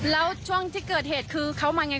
แล้วช่วงที่เกิดเหตุคือเขามาไง